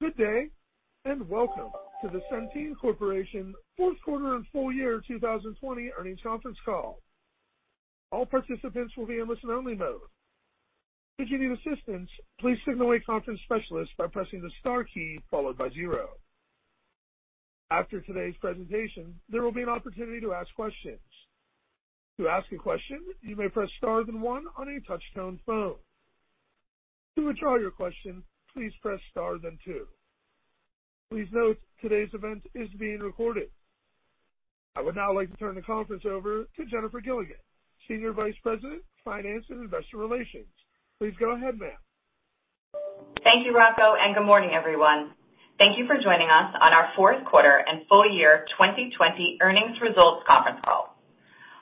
Good day, and welcome to the Centene Corporation Fourth Quarter and Full Year 2020 earnings conference call. All participants will be in listen-only mode should you need assistance please signal conference specialist by pressing star key followed by zero. After today's presentation, there will be an opportunity to ask questions to ask a question, you may press star then one on your touchtone phone to withdraw your question please press star then two. Please note, today's event is being recorded. I would now like to turn the conference over to Jennifer Gilligan, Senior Vice President of Finance and Investor Relations. Please go ahead, ma'am. Thank you, Rocco. Good morning, everyone. Thank you for joining us on our Fourth Quarter and Full Year 2020 Earnings Results Conference Call.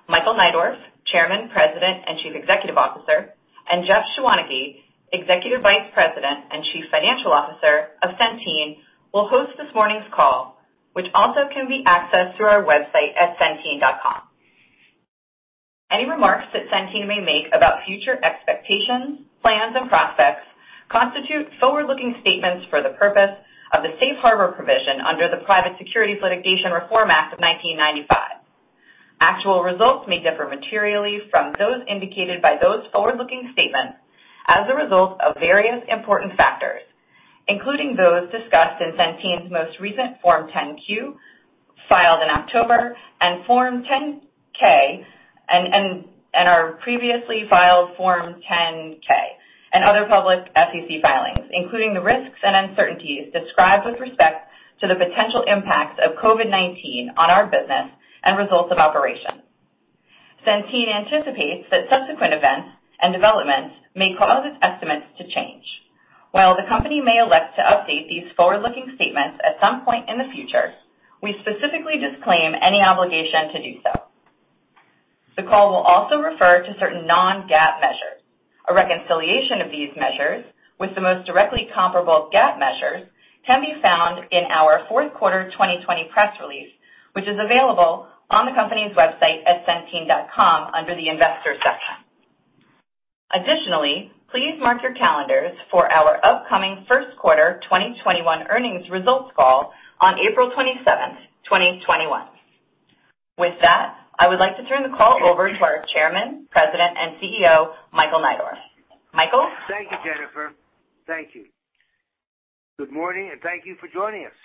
Michael Neidorff, Chairman, President, and Chief Executive Officer, and Jeff Schwaneke, Executive Vice President and Chief Financial Officer of Centene, will host this morning's call, which also can be accessed through our website at centene.com. Any remarks that Centene may make about future expectations, plans, and prospects constitute forward-looking statements for the purpose of the Safe Harbor provision under the Private Securities Litigation Reform Act of 1995. Actual results may differ materially from those indicated by those forward-looking statements as a result of various important factors, including those discussed in Centene's most recent Form 10-Q filed in October and our previously filed Form 10-K and other public SEC filings, including the risks and uncertainties described with respect to the potential impacts of COVID-19 on our business and results of operation. Centene anticipates that subsequent events and developments may cause its estimates to change. While the company may elect to update these forward-looking statements at some point in the future, we specifically disclaim any obligation to do so. The call will also refer to certain non-GAAP measures. A reconciliation of these measures with the most directly comparable GAAP measures can be found in our fourth quarter 2020 press release, which is available on the company's website at centene.com under the investor section. Additionally, please mark your calendars for our upcoming first quarter 2021 earnings results call on April 27th, 2021. With that, I would like to turn the call over to our Chairman, President, and CEO, Michael Neidorff. Michael? Thank you, Jennifer. Thank you. Good morning, thank you for joining us.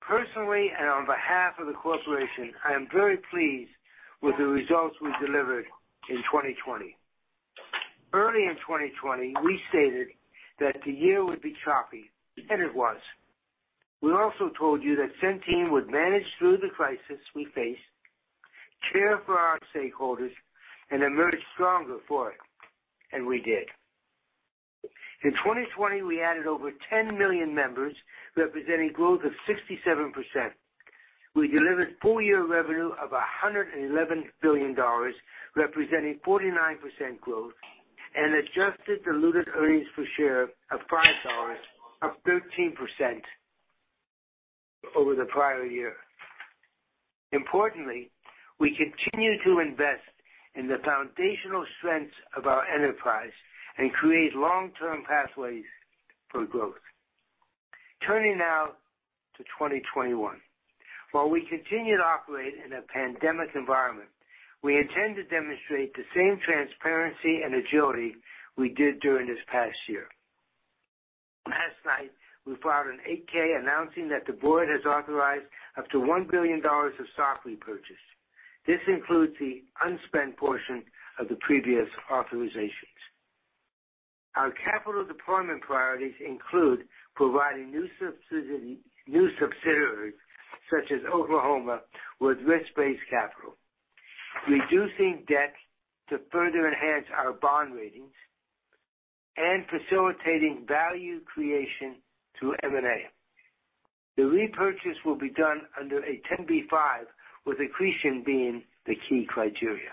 Personally, and on behalf of the corporation, I am very pleased with the results we delivered in 2020. Early in 2020, we stated that the year would be choppy, and it was. We also told you that Centene would manage through the crisis we face, care for our stakeholders and emerge stronger for it, and we did. In 2020, we added over 10 million members, representing growth of 67%. We delivered full-year revenue of $111 billion, representing 49% growth, and adjusted diluted earnings per share of $5, up 13% over the prior year. Importantly, we continue to invest in the foundational strengths of our enterprise and create long-term pathways for growth. Turning now to 2021. While we continue to operate in a pandemic environment, we intend to demonstrate the same transparency and agility we did during this past year. Last night, we filed an 8-K announcing that the board has authorized up to $1 billion of stock repurchase. This includes the unspent portion of the previous authorizations. Our capital deployment priorities include providing new subsidiaries, such as Oklahoma, with risk-based capital, reducing debt to further enhance our bond ratings, and facilitating value creation through M&A. The repurchase will be done under a 10b5-1, with accretion being the key criteria.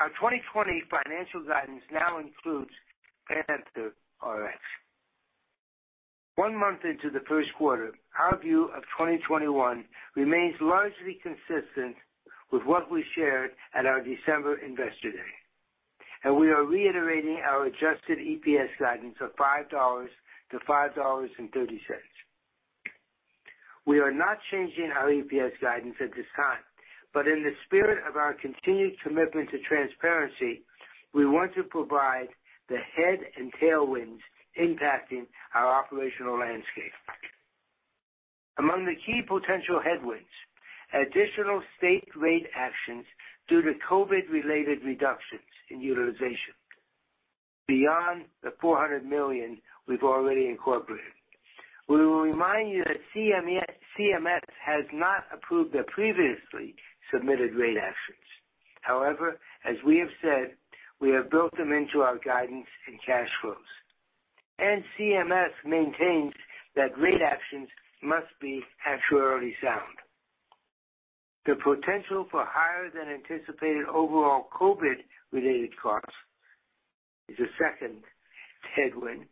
Our 2020 financial guidance now includes PANTHERx. One month into the first quarter, our view of 2021 remains largely consistent with what we shared at our December Investor Day, and we are reiterating our adjusted EPS guidance of $5-$5.30. We are not changing our EPS guidance at this time, but in the spirit of our continued commitment to transparency, we want to provide the head and tailwinds impacting our operational landscape. Among the key potential headwinds, additional state rate actions due to COVID-related reductions in utilization beyond the $400 million we've already incorporated. We will remind you that CMS has not approved the previously submitted rate actions. However, as we have said, we have built them into our guidance and cash flows. CMS maintains that rate actions must be actuarially sound. The potential for higher than anticipated overall COVID-related costs is a second headwind.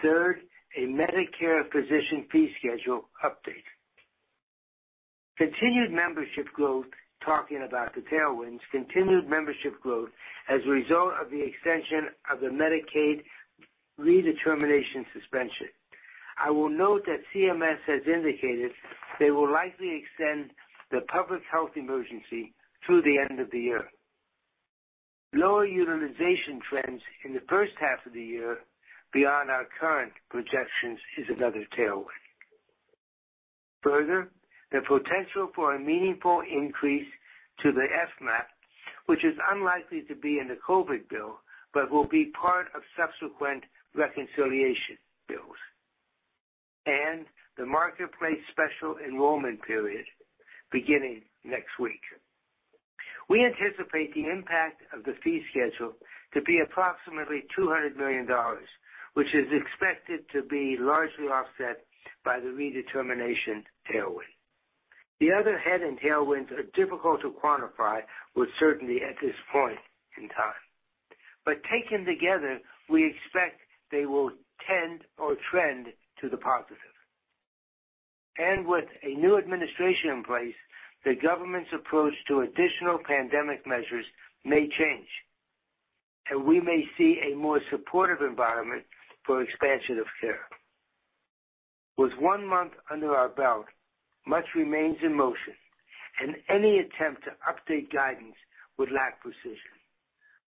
Third, a Medicare physician fee schedule update. Talking about the tailwinds, continued membership growth as a result of the extension of the Medicaid redetermination suspension. I will note that CMS has indicated they will likely extend the public health emergency through the end of the year. Lower utilization trends in the first half of the year beyond our current projections is another tailwind. Further, the potential for a meaningful increase to the FMAP, which is unlikely to be in the COVID bill, but will be part of subsequent reconciliation bills, and the Marketplace special enrollment period beginning next week. We anticipate the impact of the fee schedule to be approximately $200 million, which is expected to be largely offset by the redetermination tailwind. The other head and tailwinds are difficult to quantify with certainty at this point in time. Taken together, we expect they will tend or trend to the positive. With a new administration in place, the government's approach to additional pandemic measures may change, and we may see a more supportive environment for expansion of care. With one month under our belt, much remains in motion and any attempt to update guidance would lack precision.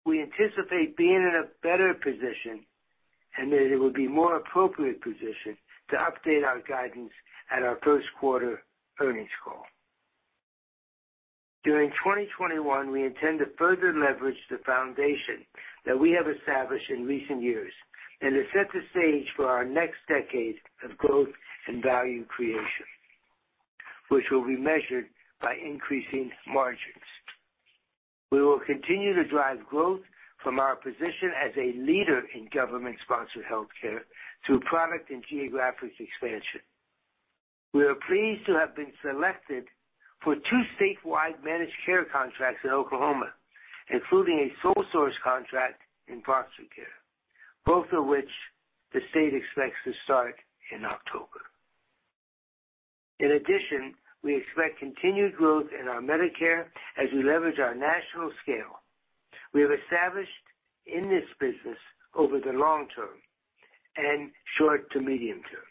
We anticipate being in a better position and that it would be more appropriate position to update our guidance at our first quarter earnings call. During 2021, we intend to further leverage the foundation that we have established in recent years and to set the stage for our next decade of growth and value creation, which will be measured by increasing margins. We will continue to drive growth from our position as a leader in government-sponsored healthcare through product and geographic expansion. We are pleased to have been selected for two statewide managed care contracts in Oklahoma, including a sole source contract in foster care, both of which the state expects to start in October. We expect continued growth in our Medicare as we leverage our national scale. We have established in this business over the long term and short to medium term.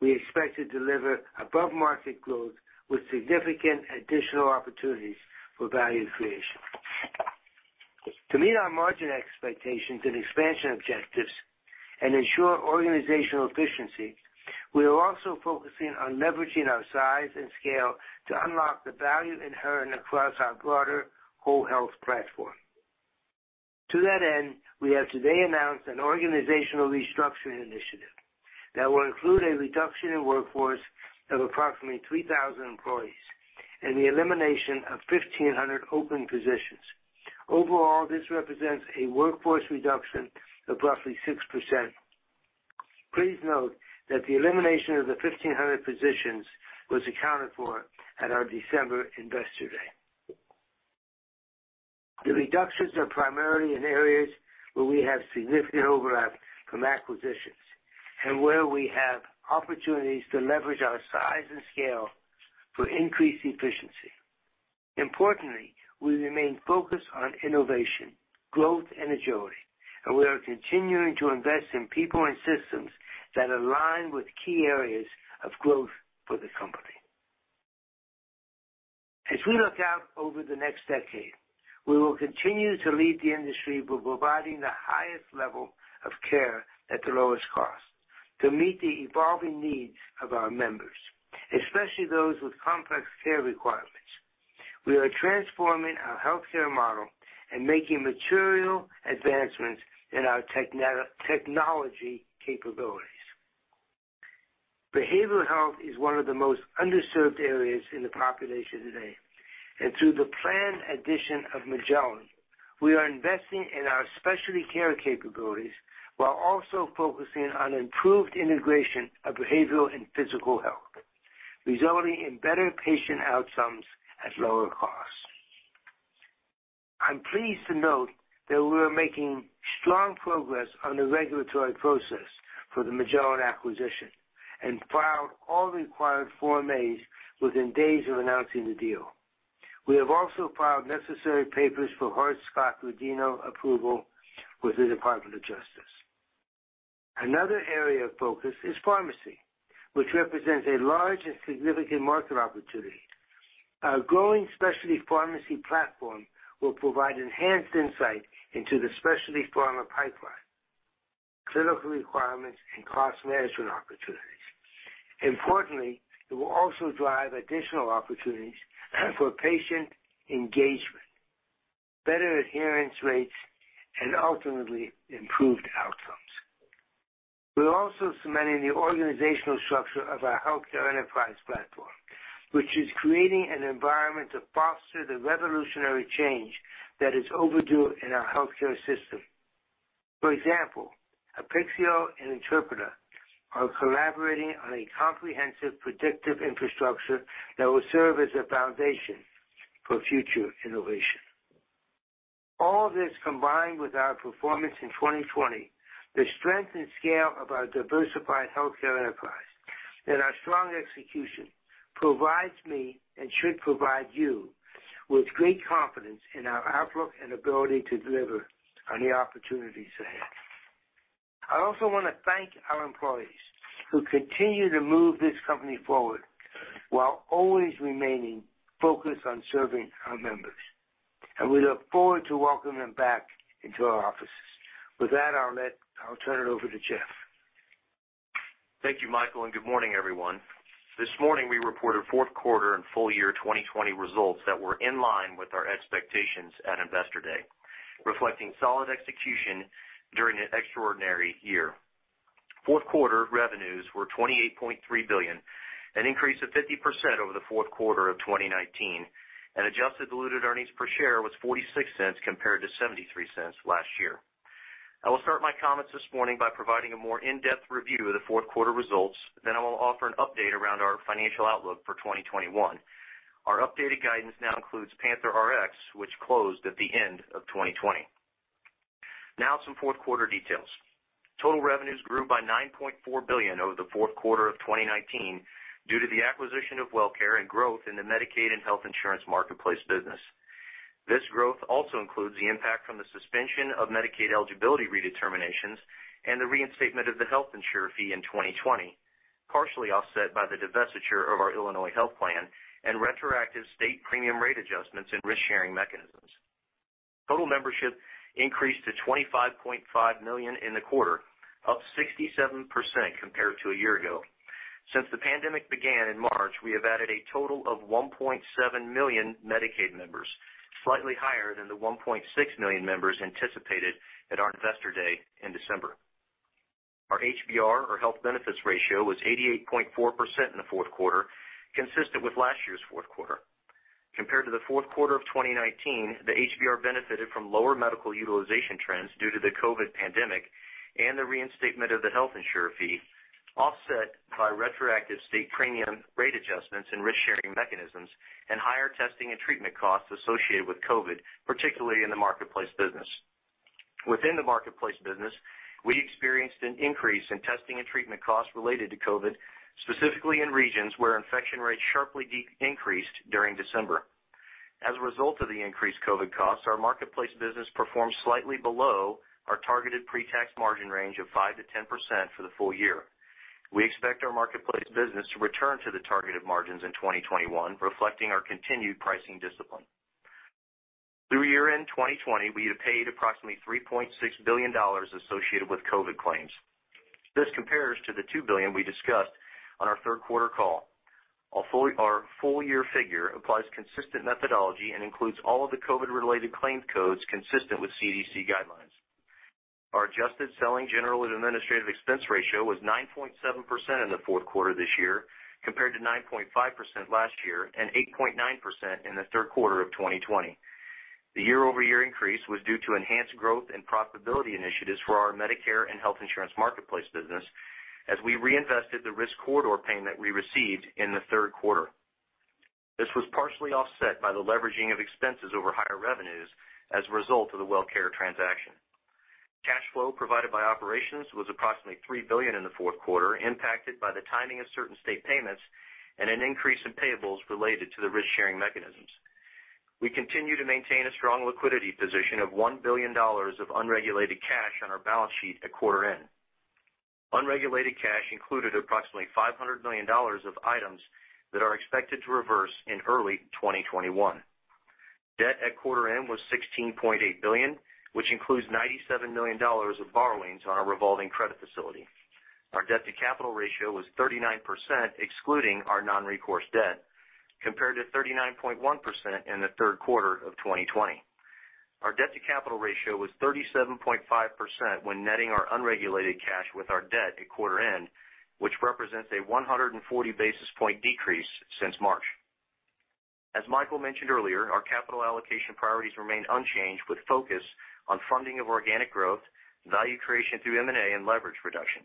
We expect to deliver above-market growth with significant additional opportunities for value creation. To meet our margin expectations and expansion objectives and ensure organizational efficiency, we are also focusing on leveraging our size and scale to unlock the value inherent across our broader whole health platform. To that end, we have today announced an organizational restructuring initiative that will include a reduction in workforce of approximately 3,000 employees and the elimination of 1,500 open positions. Overall, this represents a workforce reduction of roughly 6%. Please note that the elimination of the 1,500 positions was accounted for at our December investor day. The reductions are primarily in areas where we have significant overlap from acquisitions and where we have opportunities to leverage our size and scale for increased efficiency. Importantly, we remain focused on innovation, growth, and agility, and we are continuing to invest in people and systems that align with key areas of growth for the company. As we look out over the next decade, we will continue to lead the industry by providing the highest level of care at the lowest cost to meet the evolving needs of our members, especially those with complex care requirements. We are transforming our healthcare model and making material advancements in our technology capabilities. Behavioral health is one of the most underserved areas in the population today, and through the planned addition of Magellan, we are investing in our specialty care capabilities while also focusing on improved integration of behavioral and physical health, resulting in better patient outcomes at lower costs. I'm pleased to note that we are making strong progress on the regulatory process for the Magellan acquisition and filed all required Form As within days of announcing the deal. We have also filed necessary papers for Hart-Scott-Rodino approval with the Department of Justice. Another area of focus is pharmacy, which represents a large and significant market opportunity. Our growing specialty pharmacy platform will provide enhanced insight into the specialty pharma pipeline, clinical requirements, and cost management opportunities. Importantly, it will also drive additional opportunities for patient engagement, better adherence rates, and ultimately, improved outcomes. We're also cementing the organizational structure of our Health Care Enterprises platform, which is creating an environment to foster the revolutionary change that is overdue in our healthcare system. For example, Apixio and Interpreta are collaborating on a comprehensive predictive infrastructure that will serve as a foundation for future innovation. All this combined with our performance in 2020, the strength and scale of our diversified Health Care Enterprises, and our strong execution, provides me, and should provide you, with great confidence in our outlook and ability to deliver on the opportunities ahead. I also want to thank our employees who continue to move this company forward while always remaining focused on serving our members. We look forward to welcoming them back into our offices. With that, I'll turn it over to Jeff. Thank you, Michael, and good morning, everyone. This morning, we reported fourth quarter and full year 2020 results that were in line with our expectations at Investor Day, reflecting solid execution during an extraordinary year. Fourth quarter revenues were $28.3 billion, an increase of 50% over the fourth quarter of 2019, and adjusted diluted earnings per share was $0.46 compared to $0.73 last year. I will start my comments this morning by providing a more in-depth review of the fourth quarter results. I will offer an update around our financial outlook for 2021. Our updated guidance now includes PANTHERx, which closed at the end of 2020. Now some fourth quarter details. Total revenues grew by $9.4 billion over the fourth quarter of 2019 due to the acquisition of WellCare and growth in the Medicaid and Health Insurance Marketplace business. This growth also includes the impact from the suspension of Medicaid eligibility redeterminations and the reinstatement of the health insurer fee in 2020, partially offset by the divestiture of our Illinois health plan and retroactive state premium rate adjustments and risk-sharing mechanisms. Total membership increased to 25.5 million in the quarter, up 67% compared to a year ago. Since the pandemic began in March, we have added a total of 1.7 million Medicaid members, slightly higher than the 1.6 million members anticipated at our Investor Day in December. Our HBR, or health benefits ratio, was 88.4% in the fourth quarter, consistent with last year's fourth quarter. Compared to the fourth quarter of 2019, the HBR benefited from lower medical utilization trends due to the COVID pandemic and the reinstatement of the health insurer fee, offset by retroactive state premium rate adjustments and risk-sharing mechanisms, and higher testing and treatment costs associated with COVID, particularly in the Marketplace business. Within the Marketplace business, we experienced an increase in testing and treatment costs related to COVID, specifically in regions where infection rates sharply increased during December. As a result of the increased COVID costs, our Marketplace business performed slightly below our targeted pre-tax margin range of 5%-10% for the full year. We expect our Marketplace business to return to the targeted margins in 2021, reflecting our continued pricing discipline. Through year-end 2020, we have paid approximately $3.6 billion associated with COVID claims. This compares to the $2 billion we discussed on our third quarter call. Our full year figure applies consistent methodology and includes all of the COVID-related claim codes consistent with CDC guidelines. Our adjusted selling general and administrative expense ratio was 9.7% in the fourth quarter this year, compared to 9.5% last year and 8.9% in the third quarter of 2020. The year-over-year increase was due to enhanced growth and profitability initiatives for our Medicare and Health Insurance Marketplace business, as we reinvested the risk corridor payment we received in the third quarter. This was partially offset by the leveraging of expenses over higher revenues as a result of the WellCare transaction. Cash flow provided by operations was approximately $3 billion in the fourth quarter, impacted by the timing of certain state payments and an increase in payables related to the risk-sharing mechanisms. We continue to maintain a strong liquidity position of $1 billion of unregulated cash on our balance sheet at quarter end. Unregulated cash included approximately $500 million of items that are expected to reverse in early 2021. Debt at quarter end was $16.8 billion, which includes $97 million of borrowings on our revolving credit facility. Our debt-to-capital ratio was 39%, excluding our non-recourse debt, compared to 39.1% in the third quarter of 2020. Our debt-to-capital ratio was 37.5% when netting our unregulated cash with our debt at quarter end, which represents a 140-basis point decrease since March. As Michael mentioned earlier, our capital allocation priorities remain unchanged with focus on funding of organic growth, value creation through M&A, and leverage reduction.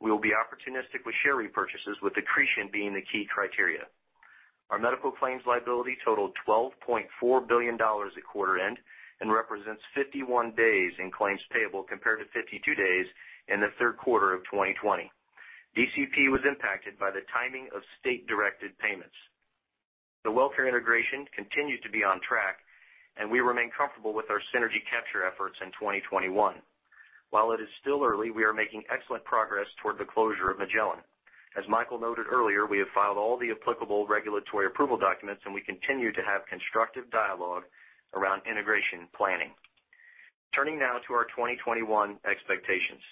We will be opportunistic with share repurchases, with accretion being the key criteria. Our medical claims liability totaled $12.4 billion at quarter end and represents 51 days in claims payable compared to 52 days in the third quarter of 2020. DCP was impacted by the timing of state-directed payments. The WellCare integration continues to be on track, and we remain comfortable with our synergy capture efforts in 2021. While it is still early, we are making excellent progress toward the closure of Magellan. As Michael noted earlier, we have filed all the applicable regulatory approval documents, and we continue to have constructive dialogue around integration planning. Turning now to our 2021 expectations.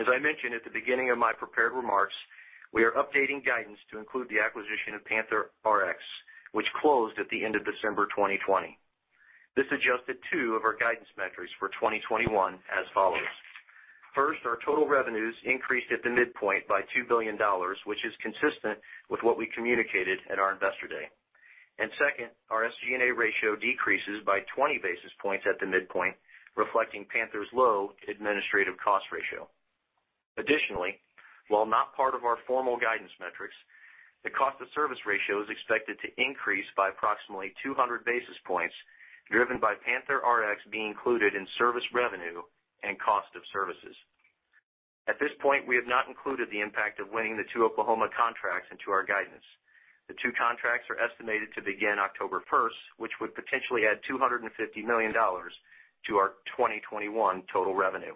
As I mentioned at the beginning of my prepared remarks, we are updating guidance to include the acquisition of PANTHERx, which closed at the end of December 2020. This adjusted two of our guidance metrics for 2021 as follows. First, our total revenues increased at the midpoint by $2 billion, which is consistent with what we communicated at our Investor Day. Second, our SG&A ratio decreases by 20 basis points at the midpoint, reflecting PANTHERx's low administrative cost ratio. Additionally, while not part of our formal guidance metrics, the cost of service ratio is expected to increase by approximately 200 basis points, driven by PANTHERx being included in service revenue and cost of services. At this point, we have not included the impact of winning the two Oklahoma contracts into our guidance. The two contracts are estimated to begin October 1st, which would potentially add $250 million to our 2021 total revenue.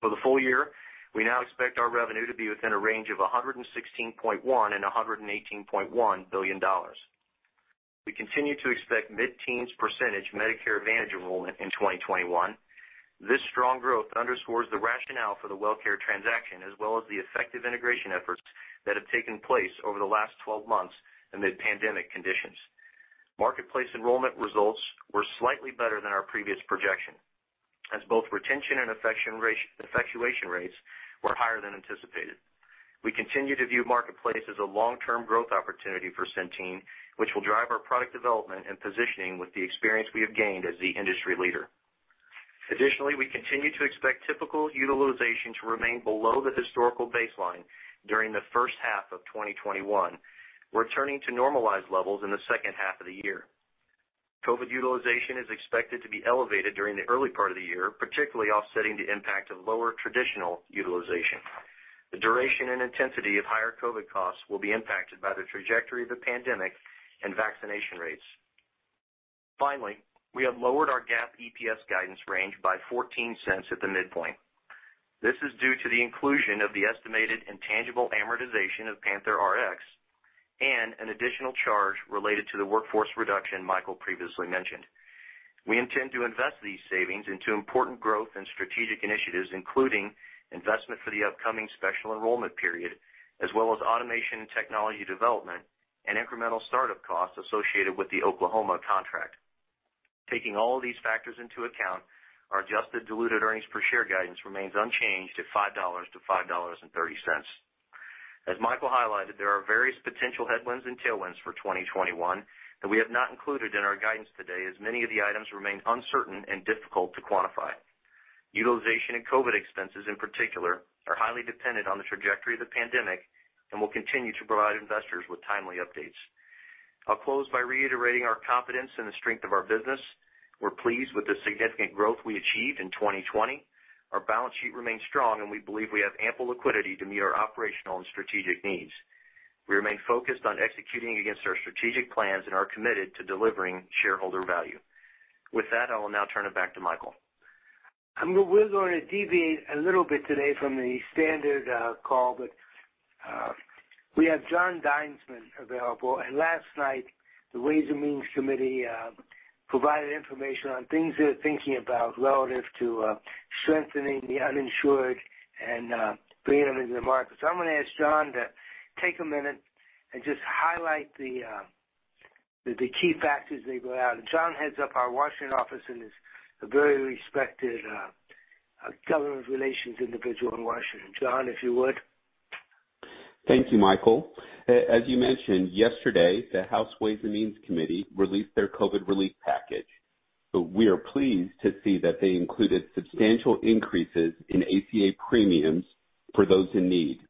For the full year, we now expect our revenue to be within a range of $116.1 billion-$118.1 billion. We continue to expect mid-teens percentage Medicare Advantage enrollment in 2021. This strong growth underscores the rationale for the WellCare transaction, as well as the effective integration efforts that have taken place over the last 12 months amid pandemic conditions. Marketplace enrollment results were slightly better than our previous projection, as both retention and effectuation rates were higher than anticipated. We continue to view Marketplace as a long-term growth opportunity for Centene, which will drive our product development and positioning with the experience we have gained as the industry leader. Additionally, we continue to expect typical utilization to remain below the historical baseline during the first half of 2021. We're turning to normalized levels in the second half of the year. COVID utilization is expected to be elevated during the early part of the year, particularly offsetting the impact of lower traditional utilization. The duration and intensity of higher COVID costs will be impacted by the trajectory of the pandemic and vaccination rates. Finally, we have lowered our GAAP EPS guidance range by $0.14 at the midpoint. This is due to the inclusion of the estimated intangible amortization of PANTHERx and an additional charge related to the workforce reduction Michael previously mentioned. We intend to invest these savings into important growth and strategic initiatives, including investment for the upcoming special enrollment period, as well as automation and technology development and incremental startup costs associated with the Oklahoma contract. Taking all of these factors into account, our adjusted diluted earnings per share guidance remains unchanged at $5-$5.30. As Michael highlighted, there are various potential headwinds and tailwinds for 2021 that we have not included in our guidance today, as many of the items remain uncertain and difficult to quantify. Utilization and COVID expenses, in particular, are highly dependent on the trajectory of the pandemic and will continue to provide investors with timely updates. I'll close by reiterating our confidence in the strength of our business. We're pleased with the significant growth we achieved in 2020. Our balance sheet remains strong, and we believe we have ample liquidity to meet our operational and strategic needs. We remain focused on executing against our strategic plans and are committed to delivering shareholder value. With that, I will now turn it back to Michael. We're going to deviate a little bit today from the standard call. We have Jon Dinesman available, and last night, the Ways and Means Committee provided information on things they're thinking about relative to strengthening the uninsured and bringing them into the market. I'm going to ask Jon to take a minute and just highlight the key factors as they go out. Jon heads up our Washington office and is a very respected government relations individual in Washington. Jon, if you would. Thank you, Michael. As you mentioned, yesterday, the House Ways and Means Committee released their COVID relief package. We are pleased to see that they included substantial increases in ACA premiums for those in need.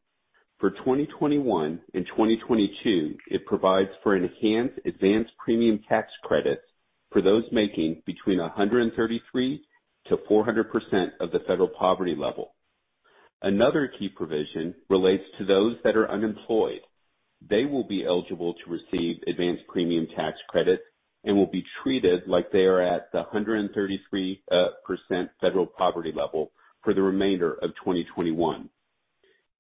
For 2021 and 2022, it provides for enhanced advance premium tax credits for those making between 133%-400% of the federal poverty level. Another key provision relates to those that are unemployed. They will be eligible to receive advance premium tax credits and will be treated like they are at the 133% federal poverty level for the remainder of 2021.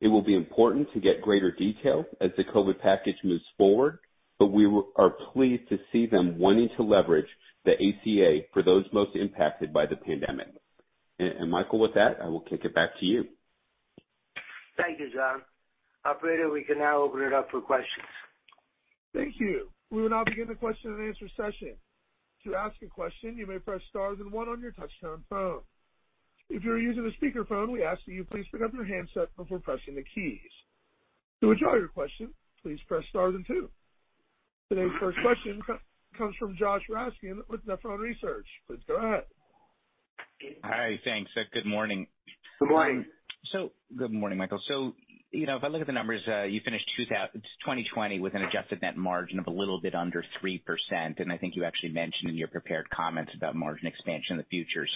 It will be important to get greater detail as the COVID package moves forward, but we are pleased to see them wanting to leverage the ACA for those most impacted by the pandemic. Michael, with that, I will kick it back to you. Thank you, Jon. Operator, we can now open it up for questions. Thank you. We will now begin the question and answer session. To ask a question, you may press star then one on your touchtone phone. If you're using a speakerphone, we ask that you please pick up your handset before pressing the keys. To withdraw your question, please press star then two. Today's first question comes from Josh Raskin with Nephron Research. Please go ahead. Hi. Thanks. Good morning. Good morning. Good morning, Michael. If I look at the numbers, you finished 2020 with an adjusted net margin of a little bit under 3%, and I think you actually mentioned in your prepared comments about margin expansion in the future.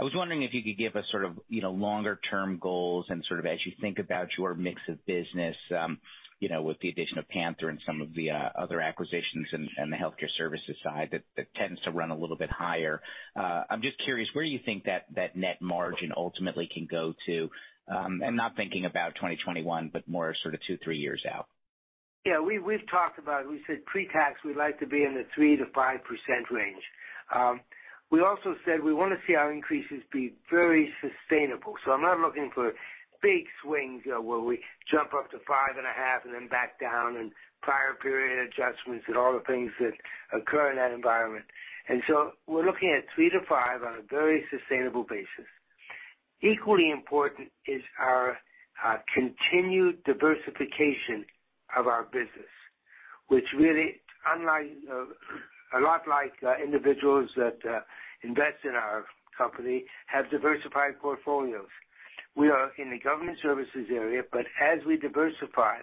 I was wondering if you could give us sort of longer-term goals and sort of as you think about your mix of business, with the addition of PANTHERx and some of the other acquisitions in the healthcare services side that tends to run a little bit higher. I'm just curious, where you think that net margin ultimately can go to, and not thinking about 2021, but more sort of two, three years out. Yeah. We've talked about, we said pre-tax, we'd like to be in the 3%-5% range. We also said we want to see our increases be very sustainable. I'm not looking for big swings, where we jump up to 5.5% and then back down and prior period adjustments and all the things that occur in that environment. We're looking at 3%-5% on a very sustainable basis. Equally important is our continued diversification of our business. Which really, a lot like individuals that invest in our company, have diversified portfolios. We are in the government services area, but as we diversify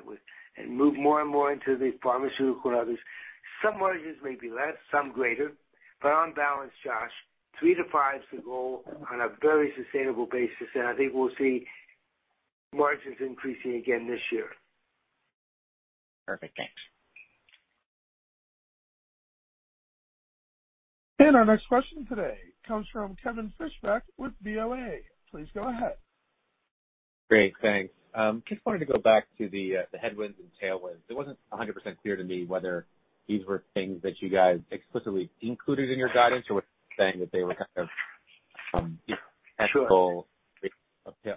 and move more and more into the pharmaceutical and others, some margins may be less, some greater, but on balance, Josh, 3%-5% is the goal on a very sustainable basis, and I think we'll see margins increasing again this year. Perfect. Thanks. Our next question today comes from Kevin Fischbeck with BofA. Please go ahead. Great, thanks. Just wanted to go back to the headwinds and tailwinds. It wasn't 100% clear to me whether these were things that you guys explicitly included in your guidance or were saying that they were. Sure. potential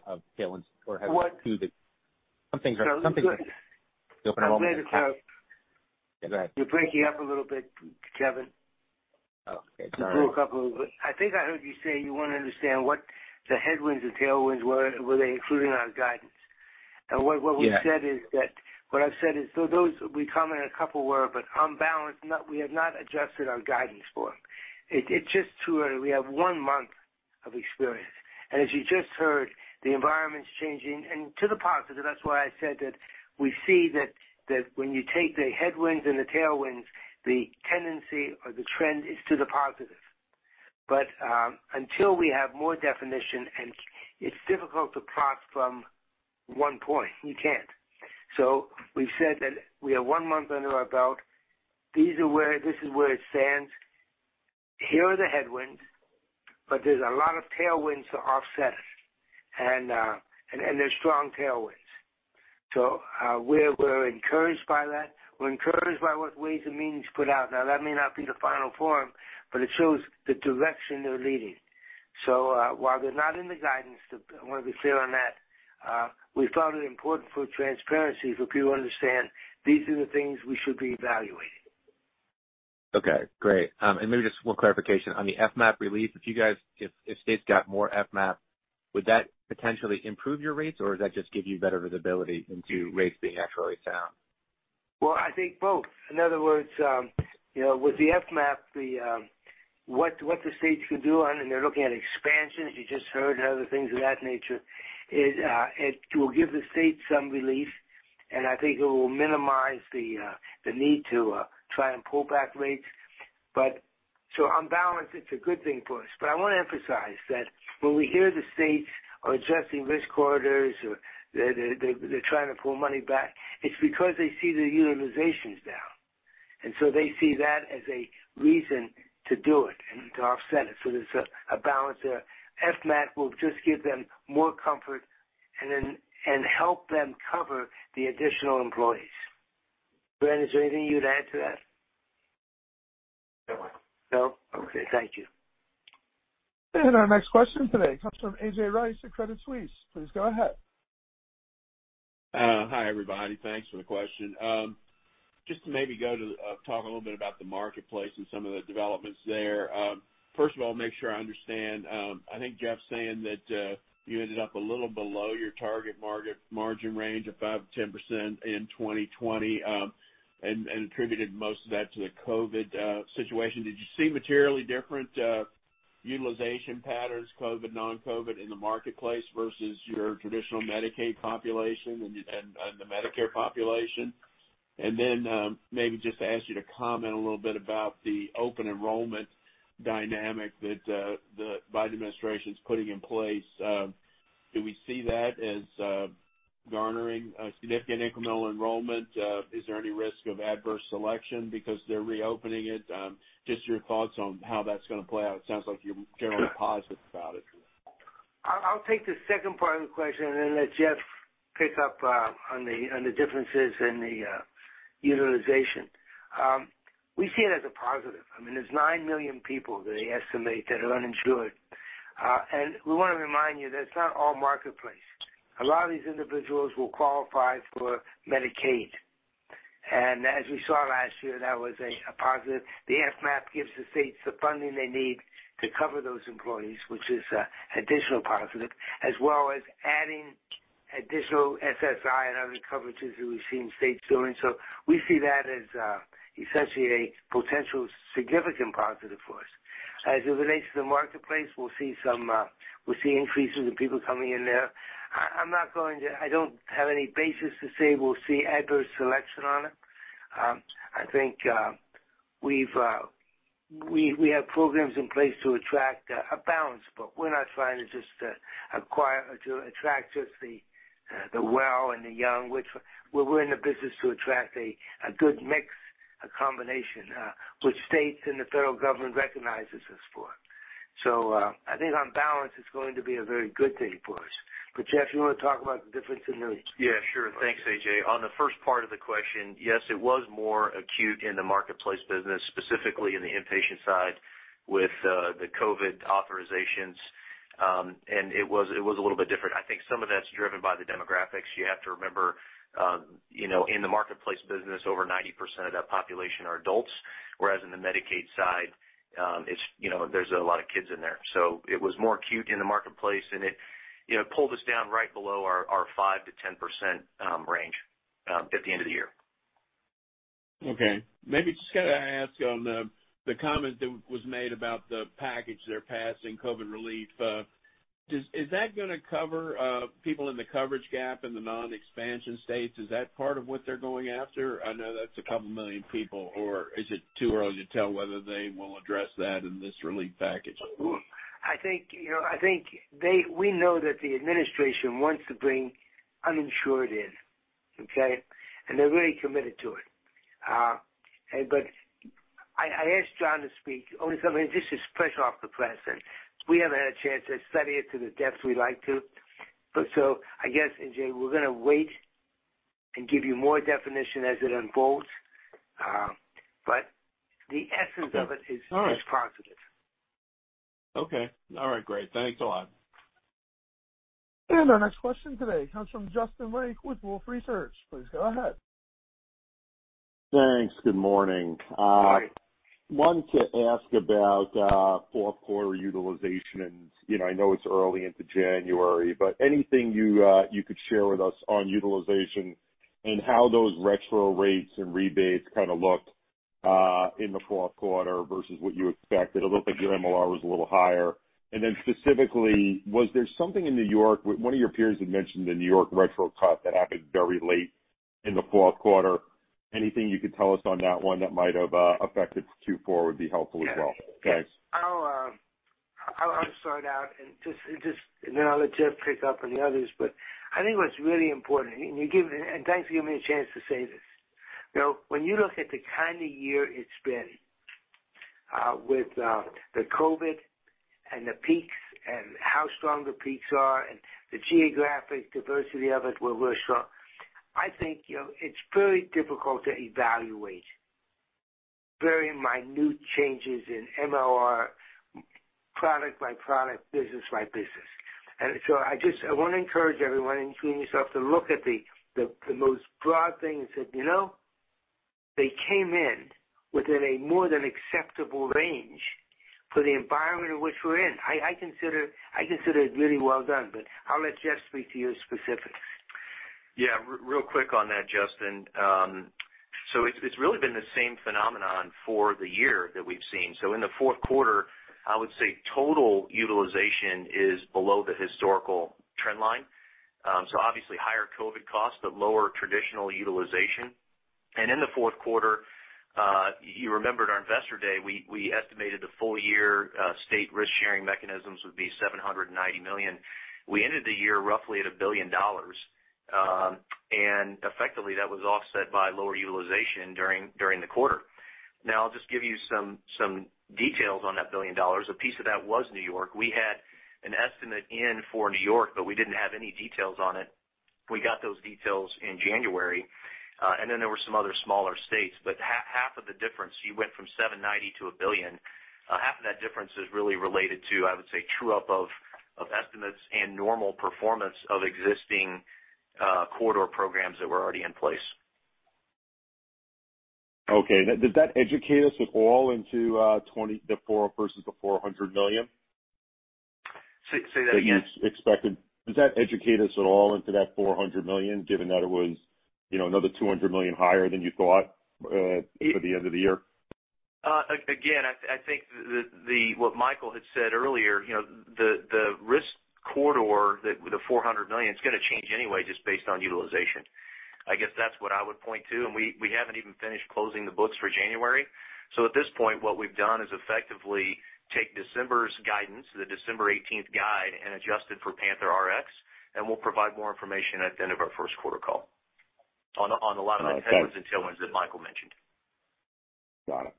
of tailwind or What- Something- No, go ahead. Open Enrollment- I'm glad to clarify. Yeah, go ahead. You're breaking up a little bit, Kevin. Oh, okay. Sorry. You broke up a little bit. I think I heard you say you want to understand what the headwinds and tailwinds were they included in our guidance? Yeah. What I've said is, those, we comment on a couple were, but on balance, we have not adjusted our guidance for them. It's just too early. We have one month of experience. As you just heard, the environment's changing, and to the positive. That's why I said that we see that when you take the headwinds and the tailwinds, the tendency or the trend is to the positive. Until we have more definition, and it's difficult to plot from one point, you can't. We've said that we have one month under our belt. This is where it stands. Here are the headwinds, but there's a lot of tailwinds to offset it. They're strong tailwinds. We're encouraged by that. We're encouraged by what Ways and Means put out. Now, that may not be the final form, but it shows the direction they're leading. While they're not in the guidance, I want to be clear on that, we found it important for transparency for people to understand these are the things we should be evaluating. Okay, great. Maybe just one clarification. On the FMAP relief, if states got more FMAP, would that potentially improve your rates, or does that just give you better visibility into rates being actually found? I think both. In other words, with the FMAP, what the states could do, and they're looking at expansions, you just heard, and other things of that nature, it will give the state some relief, and I think it will minimize the need to try and pull back rates. On balance, it's a good thing for us. I want to emphasize that when we hear the states are adjusting risk corridors or they're trying to pull money back, it's because they see the utilization's down. They see that as a reason to do it and to offset it. There's a balance there. FMAP will just give them more comfort and help them cover the additional employees. Glenn, is there anything you'd add to that? No. No? Okay, thank you. Our next question today comes from A.J. Rice at Credit Suisse. Please go ahead. Hi, everybody. Thanks for the question. To maybe talk a little bit about the Marketplace and some of the developments there. First of all, make sure I understand. I think Jeff's saying that you ended up a little below your target margin range of 5%-10% in 2020, and attributed most of that to the COVID situation. Did you see materially different utilization patterns, COVID, non-COVID, in the Marketplace versus your traditional Medicaid population and the Medicare population? Maybe just ask you to comment a little bit about the open enrollment dynamic that the Biden administration's putting in place. Do we see that as garnering significant incremental enrollment? Is there any risk of adverse selection because they're reopening it? Your thoughts on how that's going to play out. It sounds like you're generally positive about it. I'll take the second part of the question and then let Jeff pick up on the differences in the utilization. We see it as a positive. There's nine million people they estimate that are uninsured. We want to remind you that it's not all Marketplace. A lot of these individuals will qualify for Medicaid. As we saw last year, that was a positive. The FMAP gives the states the funding they need to cover those employees, which is an additional positive, as well as adding additional SSI and other coverages that we've seen states doing. We see that as essentially a potential significant positive for us. As it relates to the Marketplace, we'll see increases in people coming in there. I don't have any basis to say we'll see adverse selection on it. I think we have programs in place to attract a balance, but we're not trying to attract just the well and the young. We're in the business to attract a good mix, a combination, which states and the federal government recognizes us for. I think on balance, it's going to be a very good thing for us. Jeff, you want to talk about. Thanks, A.J. On the first part of the question, yes, it was more acute in the Marketplace business, specifically in the inpatient side with the COVID authorizations. It was a little bit different. I think some of that's driven by the demographics. You have to remember, in the Marketplace business, over 90% of that population are adults, whereas in the Medicaid side, there's a lot of kids in there. It was more acute in the Marketplace, and it pulled us down right below our 5%-10% range at the end of the year. Okay. Maybe just got to ask on the comment that was made about the package they're passing, COVID relief. Is that going to cover people in the coverage gap in the non-expansion states? Is that part of what they're going after? I know that's a couple million people. Is it too early to tell whether they will address that in this relief package? I think we know that the administration wants to bring uninsured in. Okay? They're really committed to it. I asked Jon to speak. Only something, this is fresh off the press, and we haven't had a chance to study it to the depth we like to. I guess, A.J., we're going to wait and give you more definition as it unfolds. The essence of it is positive. Okay. All right. Great. Thanks a lot. Our next question today comes from Justin Lake with Wolfe Research. Please go ahead. Thanks. Good morning. Hi. Wanted to ask about fourth quarter utilization, and I know it's early into January, but anything you could share with us on utilization and how those retro rates and rebates kind of looked in the fourth quarter versus what you expected? It looked like your MLR was a little higher. Specifically, was there something in New York? One of your peers had mentioned the New York retro cut that happened very late in the fourth quarter. Anything you could tell us on that one that might have affected Q4 would be helpful as well. Thanks. I'll start out, and then I'll let Jeff pick up on the others. I think what's really important, and thanks for giving me a chance to say this. When you look at the kind of year it's been with the COVID and the peaks and how strong the peaks are, and the geographic diversity of it where we're strong, I think it's very difficult to evaluate very minute changes in MLR, product by product, business by business. I want to encourage everyone, including yourself, to look at the most broad things that you know they came in within a more than acceptable range for the environment in which we're in. I consider it really well done. I'll let Jeff speak to you specifics. Yeah, real quick on that, Justin. It's really been the same phenomenon for the year that we've seen. In the fourth quarter, I would say total utilization is below the historical trend line. Obviously higher COVID costs, but lower traditional utilization. In the fourth quarter, I remembered our Investor Day, we estimated the full year state risk-sharing mechanisms would be $790 million. We ended the year roughly at $1 billion, effectively that was offset by lower utilization during the quarter. I'll just give you some details on that $1 billion. A piece of that was New York. We had an estimate in for New York, we didn't have any details on it. We got those details in January, then there were some other smaller states. Half of the difference, you went from $790-$1 billion. Half of that difference is really related to, I would say, true-up of estimates and normal performance of existing corridor programs that were already in place. Okay. Does that educate us at all into the four versus the $400 million? Say that again. That you expected. Does that educate us at all into that $400 million, given that it was another $200 million higher than you thought for the end of the year? Again, I think what Michael had said earlier, the risk corridor with the $400 million, it's going to change anyway just based on utilization. I guess that's what I would point to, and we haven't even finished closing the books for January. At this point, what we've done is effectively take December's guidance, the December 18th guide, and adjust it for PANTHERx, and we'll provide more information at the end of our first quarter call on a lot of the headwinds and tailwinds that Michael mentioned. Got it.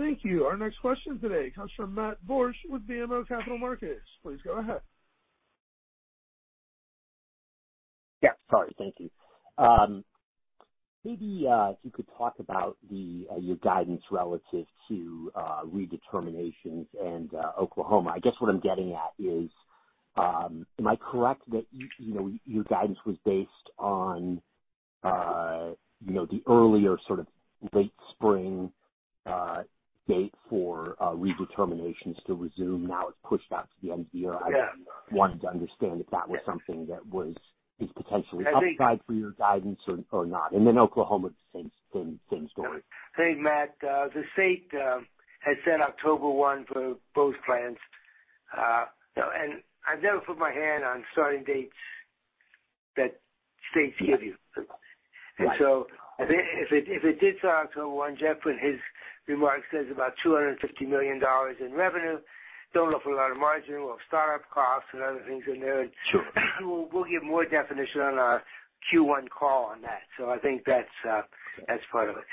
Thank you. Our next question today comes from Matt Borsch with BMO Capital Markets. Please go ahead. Yeah. Sorry. Thank you. Maybe if you could talk about your guidance relative to redeterminations and Oklahoma. I guess what I'm getting at is, am I correct that your guidance was based on the earlier sort of late spring date for redeterminations to resume? Now it's pushed out to the end of the year. Yeah. I wanted to understand if that was something that is potentially upside for your guidance or not. Oklahoma, the same story. Hey, Matt. The state has said October 1 for both plans. I've never put my hand on starting dates that states give you. Right. If it did start October 1, Jeff, in his remarks, says about $250 million in revenue. Don't look for a lot of margin. We'll have startup costs and other things in there. Sure. We'll give more definition on our Q1 call on that. I think that's part of it.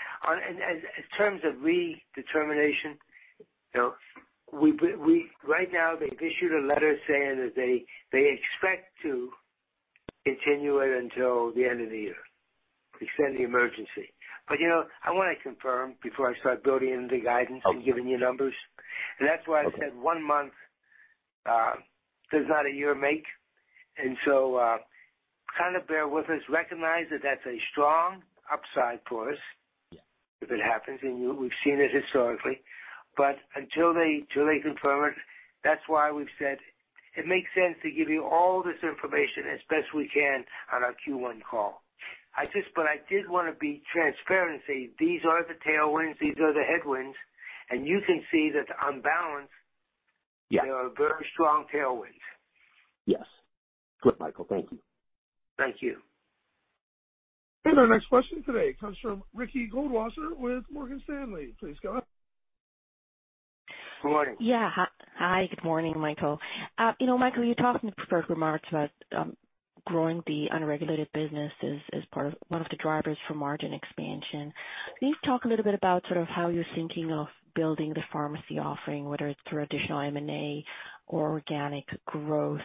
In terms of redetermination, right now they've issued a letter saying that they expect to continue it until the end of the year, extend the emergency. I want to confirm before I start building the guidance. Okay Giving you numbers. That's why I said one month does not a year make. Kind of bear with us, recognize that that's a strong upside for us. If it happens, and we've seen it historically, but until they confirm it, that's why we've said it makes sense to give you all this information as best we can on our Q1 call. I did want to be transparent and say, "These are the tailwinds, these are the headwinds," and you can see that on balance. Yeah. They are very strong tailwinds. Yes. Good, Michael, thank you. Thank you. Our next question today comes from Ricky Goldwasser with Morgan Stanley. Please go ahead. Good morning. Yeah. Hi. Good morning, Michael. Michael, you talked in the prepared remarks about growing the unregulated business as one of the drivers for margin expansion. Can you talk a little bit about how you're thinking of building the pharmacy offering, whether it's through additional M&A or organic growth?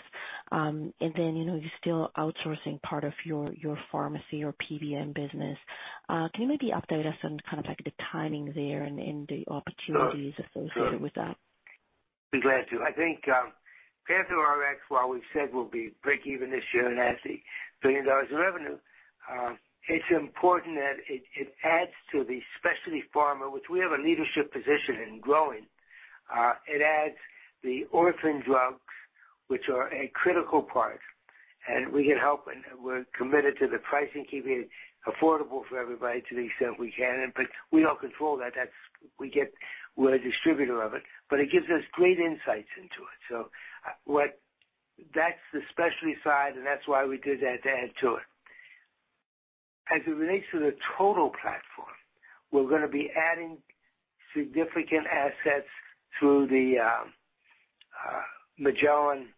You're still outsourcing part of your pharmacy or PBM business. Can you maybe update us on the timing there and the opportunities associated with that? Sure. Be glad to. I think PANTHERx, while we've said we'll be break-even this year and has $1 billion in revenue, it's important that it adds to the specialty pharma, which we have a leadership position in growing. It adds the orphan drugs, which are a critical part, and we can help, and we're committed to the pricing, keeping it affordable for everybody to the extent we can. We don't control that. We're a distributor of it. It gives us great insights into it. That's the specialty side, and that's why we did that to add to it. As it relates to the total platform, we're going to be adding significant assets through the Magellan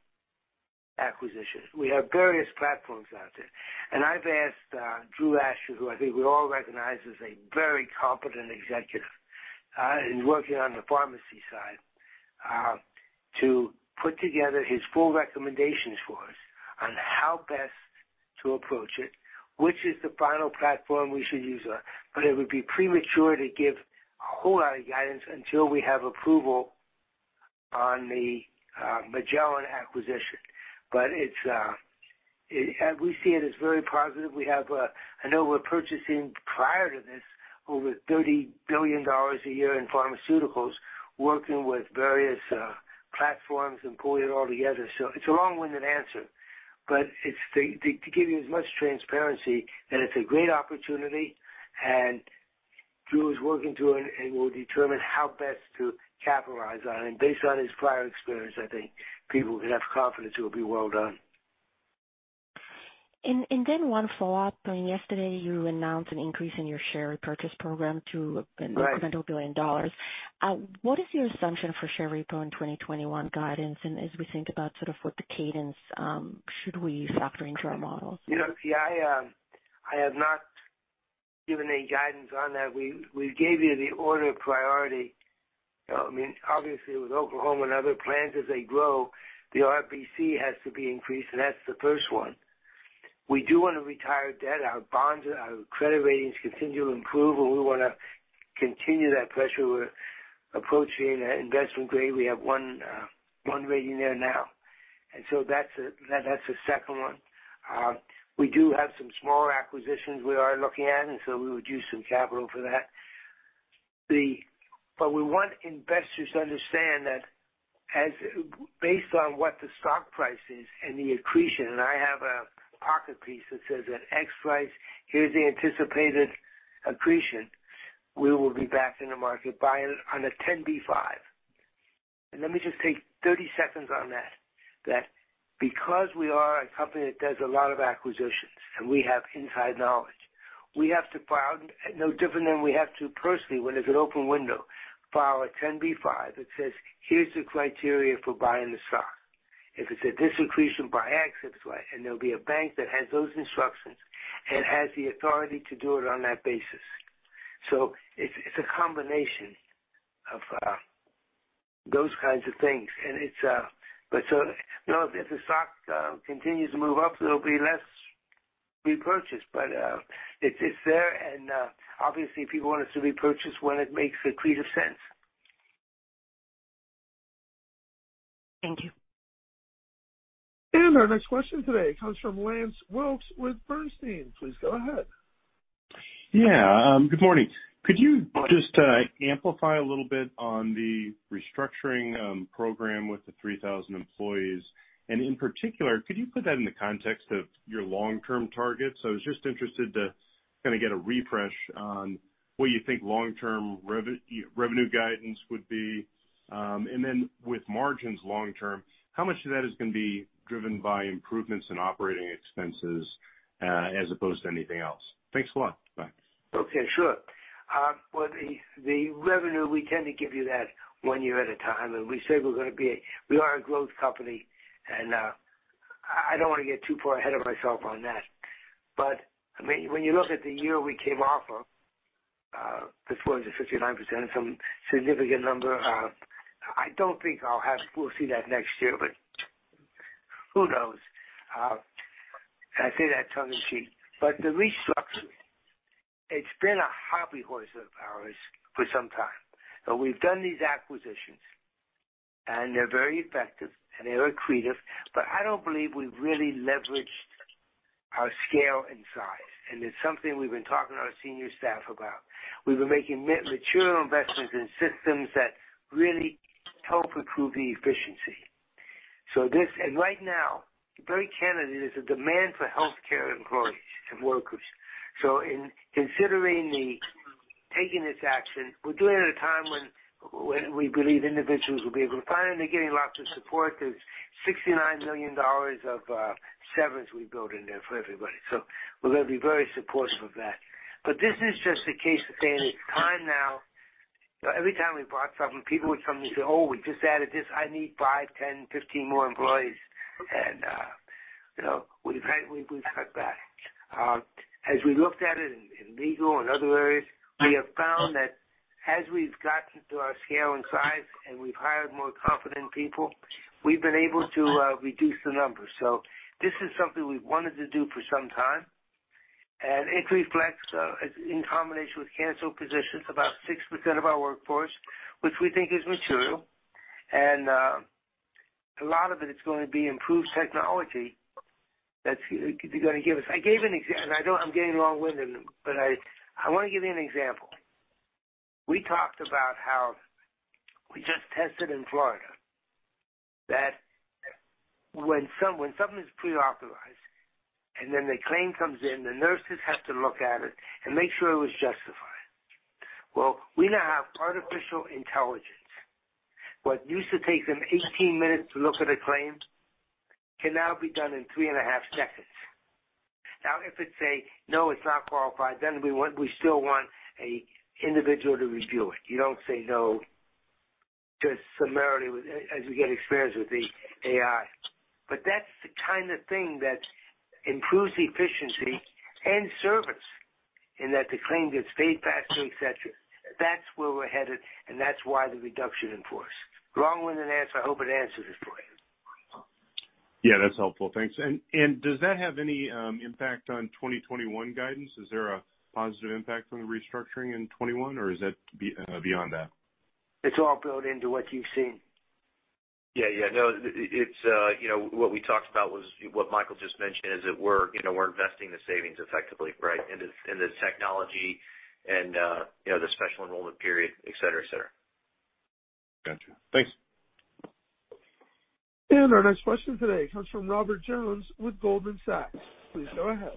acquisition. We have various platforms out there. I've asked Drew Asher, who I think we all recognize as a very competent executive in working on the pharmacy side, to put together his full recommendations for us on how best to approach it, which is the final platform we should use. It would be premature to give a whole lot of guidance until we have approval on the Magellan acquisition. We see it as very positive. I know we're purchasing, prior to this, over $30 billion a year in pharmaceuticals, working with various platforms and pulling it all together. It's a long-winded answer. To give you as much transparency, that it's a great opportunity, and Drew is working to, and will determine how best to capitalize on it. Based on his prior experience, I think people can have confidence it will be well done. One follow-up. Yesterday, you announced an increase in your share repurchase program to Right an incremental $1 billion. What is your assumption for share repo in 2021 guidance, and as we think about what the cadence should we factor into our models? I have not given any guidance on that. We gave you the order of priority. Obviously, with Oklahoma and other plans, as they grow, the RBC has to be increased, and that's the first one. We do want to retire debt. Our bonds, our credit ratings continue to improve, and we want to continue that pressure. We're approaching investment grade. We have one rating there now, and so that's the second one. We do have some small acquisitions we are looking at, and so we would use some capital for that. We want investors to understand that based on what the stock price is and the accretion, and I have a pocket piece that says at X price, here's the anticipated accretion. We will be back in the market buying on a 10b5-1. Let me just take 30 seconds on that. That because we are a company that does a lot of acquisitions and we have inside knowledge, we have to file, no different than we have to personally, when there's an open window, file a 10b5-1 that says, "Here's the criteria for buying the stock." If it's at this accretion, buy X. That's right. There'll be a bank that has those instructions and has the authority to do it on that basis. It's a combination of those kinds of things. If the stock continues to move up, there'll be less repurchase. It's there and, obviously, people want us to repurchase when it makes accretive sense. Thank you. Our next question today comes from Lance Wilkes with Bernstein. Please go ahead. Yeah. Good morning. Could you just amplify a little bit on the restructuring program with the 3,000 employees? In particular, could you put that in the context of your long-term targets? I was just interested to get a refresh on what you think long-term revenue guidance would be. Then with margins long-term, how much of that is going to be driven by improvements in operating expenses as opposed to anything else? Thanks a lot. Bye. Okay, sure. With the revenue, we tend to give you that one year at a time. We say we are a growth company, I don't want to get too far ahead of myself on that. When you look at the year we came off of, this was a 59%, some significant number. I don't think we'll see that next year. Who knows? I say that tongue in cheek. The restructuring, it's been a hobby horse of ours for some time. We've done these acquisitions. They're very effective. They're accretive. I don't believe we've really leveraged our scale and size. It's something we've been talking to our senior staff about. We've been making material investments in systems that really help improve the efficiency. Right now, to be very candid, there's a demand for healthcare employees and workers. In considering taking this action, we're doing it at a time when we believe individuals will be able to finally getting lots of support. There's $69 million of severance we built in there for everybody. We're going to be very supportive of that. This is just a case of saying it's time now. Every time we bought something, people would come to me and say, "Oh, we just added this. I need five, 10, 15 more employees." We've cut back. As we looked at it in legal and other areas, we have found that as we've gotten to our scale and size and we've hired more competent people, we've been able to reduce the numbers. This is something we've wanted to do for some time, and it reflects, in combination with canceled positions, about 6% of our workforce, which we think is material. A lot of it is going to be improved technology that's going to give us I'm getting long-winded, but I want to give you an example. We talked about how we just tested in Florida that when something is pre-authorized and then the claim comes in, the nurses have to look at it and make sure it was justified. Well, we now have artificial intelligence. What used to take them 18 minutes to look at a claim can now be done in 3.5 seconds. If it's a no, it's not qualified, then we still want an individual to review it. You don't say no just summarily as we get experience with the AI. That's the kind of thing that improves the efficiency and service in that the claim gets paid faster, et cetera. That's where we're headed, and that's why the reduction in force. Long-winded answer. I hope it answers it for you. Yeah, that's helpful. Thanks. Does that have any impact on 2021 guidance? Is there a positive impact from the restructuring in 2021, or is that beyond that? It's all built into what you've seen. Yeah. No, what we talked about was what Michael just mentioned, is that we're investing the savings effectively, right, into technology and the special enrollment period, et cetera. Got you. Thanks. Our next question today comes from Robert Jones with Goldman Sachs. Please go ahead.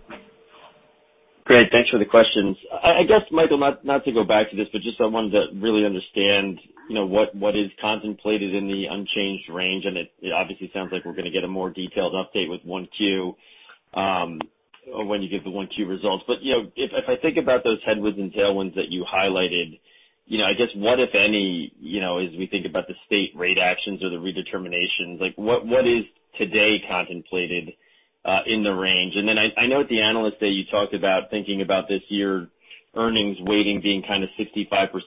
Great. Thanks for the questions. I guess, Michael, not to go back to this, but just I wanted to really understand what is contemplated in the unchanged range, and it obviously sounds like we're going to get a more detailed update with one Q or when you give the one Q results. If I think about those headwinds and tailwinds that you highlighted, I guess what, if any, as we think about the state rate actions or the redeterminations, what is today contemplated in the range? I know at the Analyst Day, you talked about thinking about this year earnings weighting being 65%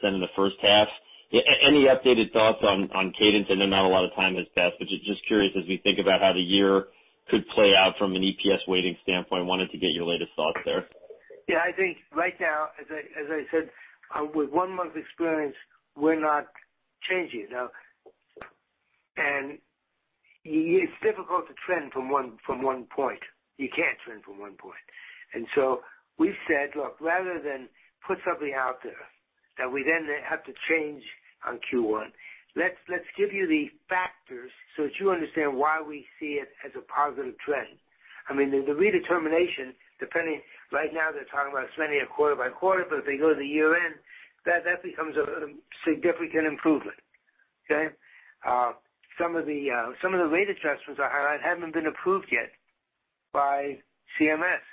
in the first half. Any updated thoughts on cadence? I know not a lot of time has passed, but just curious as we think about how the year could play out from an EPS weighting standpoint. Wanted to get your latest thoughts there. Yeah, I think right now, as I said, with one month experience, we're not changing. It's difficult to trend from one point. You can't trend from one point. We've said, look, rather than put something out there that we then have to change on Q1, let's give you the factors so that you understand why we see it as a positive trend. I mean, the redetermination, depending right now they're talking about extending it quarter by quarter, but if they go to the year-end, that becomes a significant improvement. Okay? Some of the rate adjustments I highlighted haven't been approved yet by CMS,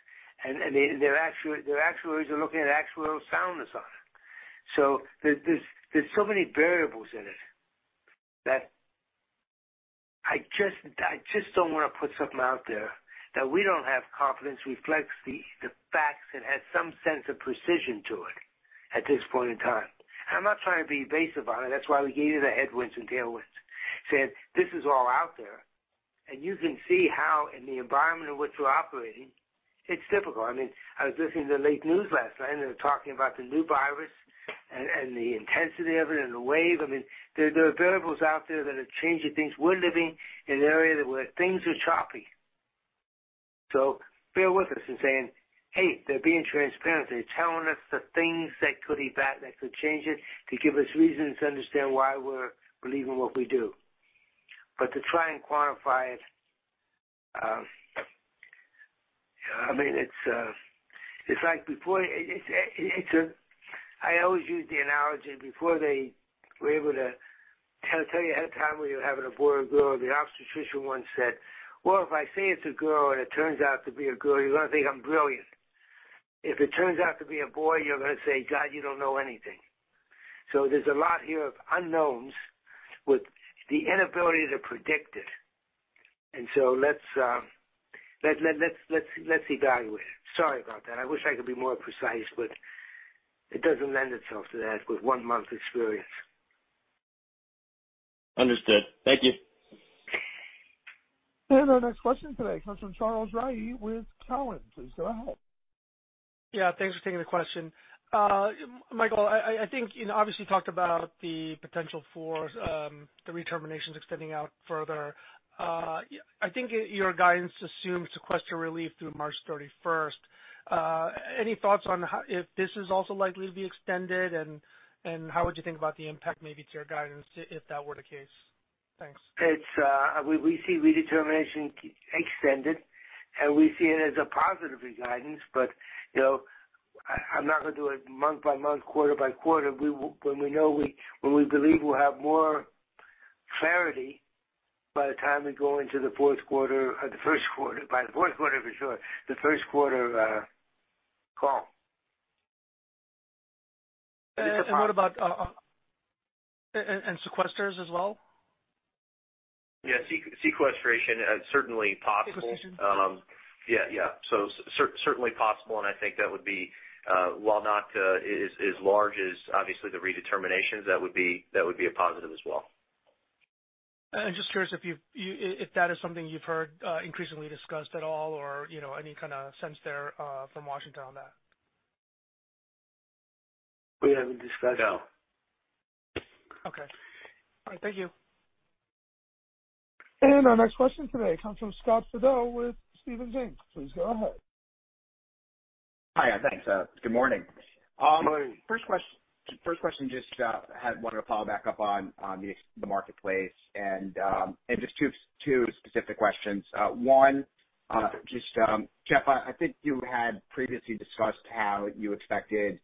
and their actuaries are looking at actuarial soundness on it. There's so many variables in it that I just don't want to put something out there that we don't have confidence reflects the facts and has some sense of precision to it at this point in time. I'm not trying to be evasive on it. That's why we gave you the headwinds and tailwinds, said this is all out there, and you can see how in the environment in which we're operating, it's difficult. I was listening to late news last night, and they were talking about the new virus and the intensity of it and the wave. There are variables out there that are changing things. We're living in an area where things are choppy. Bear with us in saying, "Hey, they're being transparent. They're telling us the things that could be bad, that could change it, to give us reasons to understand why we believe in what we do. To try and quantify it, in fact, I always use the analogy, before they were able to tell you ahead of time whether you're having a boy or a girl, the obstetrician once said, "Well, if I say it's a girl, and it turns out to be a girl, you're going to think I'm brilliant. If it turns out to be a boy, you're going to say, 'God, you don't know anything.'" There's a lot here of unknowns with the inability to predict it. Let's evaluate it. Sorry about that. I wish I could be more precise, but it doesn't lend itself to that with one month experience. Understood. Thank you. Our next question today comes from Charles Rhyee with Cowen. Please go ahead. Yeah, thanks for taking the question. Michael, I think you obviously talked about the potential for the redeterminations extending out further. I think your guidance assumes sequester relief through March 31st. Any thoughts on if this is also likely to be extended, and how would you think about the impact maybe to your guidance if that were the case? Thanks. We see redetermination extended, and we see it as a positive for guidance, but I'm not going to do it month by month, quarter by quarter. When we believe we'll have more clarity by the time we go into the fourth quarter or the first quarter, by the fourth quarter for sure, the first quarter call. What about sequesters as well? Yeah, sequestration is certainly possible. Sequestration. Yeah. Certainly possible, and I think that would be, while not as large as obviously the redeterminations, that would be a positive as well. Just curious if that is something you've heard increasingly discussed at all or any kind of sense there from Washington on that? We haven't discussed. No. Okay. All right. Thank you. Our next question today comes from Scott Fidel with Stephens Inc. Please go ahead. Hi, thanks. Good morning. First question, just had wanted to follow back up on the Marketplace. Just two specific questions. One, just, Jeff, I think you had previously discussed how you expected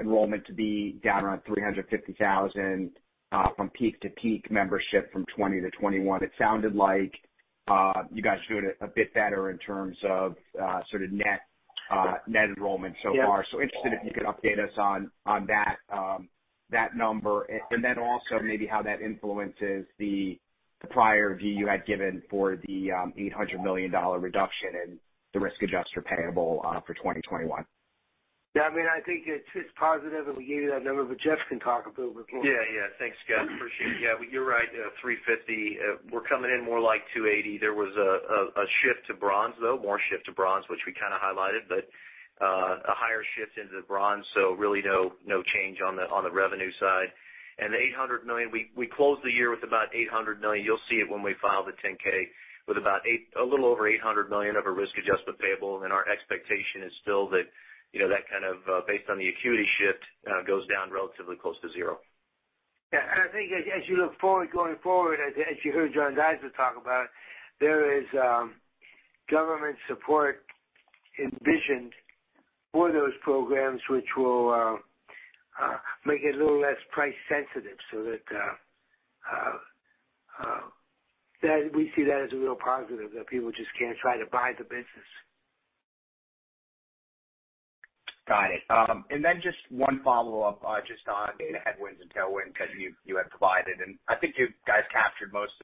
enrollment to be down around 350,000 from peak to peak membership from 2020-2021. It sounded like you guys are doing a bit better in terms of net enrollment so far. Yes. Interested if you could update us on that number, and then also maybe how that influences the prior view you had given for the $800 million reduction in the risk adjuster payable for 2021? Yeah, I think it's positive, and we gave you that number, but Jeff can talk a bit more. Thanks, Scott. Appreciate it. You're right, $350. We're coming in more like $280. There was a shift to Bronze, though, more shift to Bronze, which we kind of highlighted, but a higher shift into the Bronze, really no change on the revenue side. The $800 million, we closed the year with about $800 million. You'll see it when we file the 10-K with a little over $800 million of a risk adjustment payable, our expectation is still that, based on the acuity shift, goes down relatively close to zero. Yeah. I think as you look forward going forward, as you heard Jon Dinesman talk about, there is government support envisioned for those programs which will make it a little less price sensitive. We see that as a real positive, that people just can't try to buy the business. Got it. Just one follow-up just on data headwinds and tailwinds, because you have provided, and I think you guys captured most